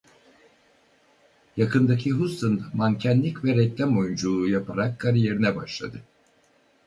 Yakındaki Houston'da mankenlik ve reklam oyunculuğu yaparak kariyerine başladı.